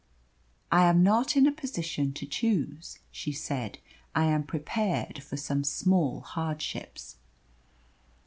"I am not in a position to choose," she said. "I am prepared for some small hardships."